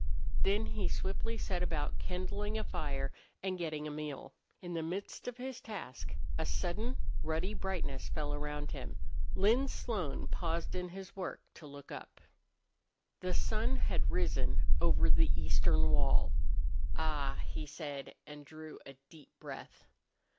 Then he swiftly set about kindling a fire and getting a meal. In the midst of his task a sudden ruddy brightness fell around him. Lin Slone paused in his work to look up. The sun had risen over the eastern wall. "Ah!" he said, and drew a deep breath.